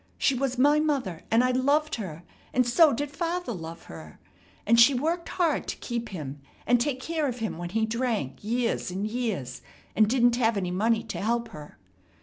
She was my mother, and I loved her, and so did father love her; and she worked hard to keep him and take care of him when he drank years and years, and didn't have any money to help her.